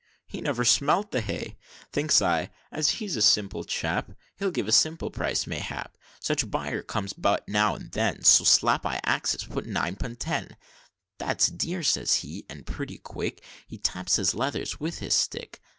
he never smelt the hay. Thinks I, as he's a simple chap, He'll give a simple price mayhap, Such buyers comes but now and then, So slap I axes nine pun' ten. 'That's dear,' says he, and pretty quick He taps his leathers with his stick.